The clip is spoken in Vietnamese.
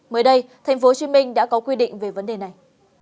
mới đây tp hcm đã có quy định về vấn đề này